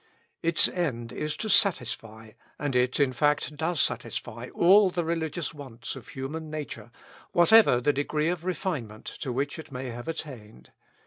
Its end is to satisfy, and it, in fact, does satisfy, all the religious wants of human nature, whatever the degree of refinement to which it may have attained.